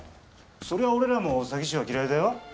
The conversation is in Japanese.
それは俺らも詐欺師は嫌いだよ